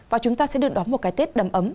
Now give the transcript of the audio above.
và chúng ta sẽ được đón một cái tết đầm ấm